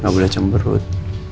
nggak boleh cemberut